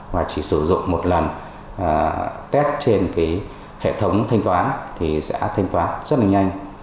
mà chỉ sử dụng một lần test trên hệ thống thanh toán thì sẽ thanh toán rất nhanh